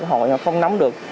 họ không nắm được